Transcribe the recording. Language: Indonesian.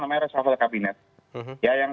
namanya reshuffle kabinet ya yang